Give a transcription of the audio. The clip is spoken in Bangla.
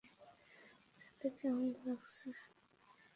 এটাতে কেমন লাগছে।